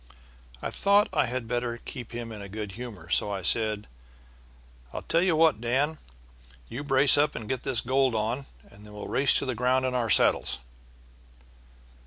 "I thought I had better keep him in a good humor, so I said: 'I'll tell you what, Dan, you brace up and get this gold on, and then we'll race to the ground in our saddles.'